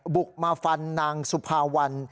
บุกมาฟันนางสุภาวัน